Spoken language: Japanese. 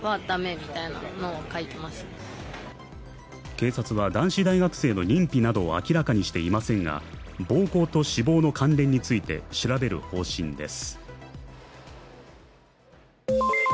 警察は男子大学生の認否などを明らかにしていませんが、暴行と死亡の関連について調べる方針です。